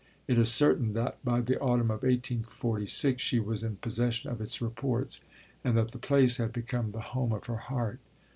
It is certain that by the autumn of 1846 she was in possession of its Reports, and that the place had become the home of her heart.